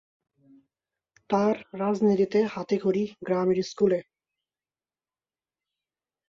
তার রাজনীতিতে হাতে খড়ি গ্রামের স্কুলে।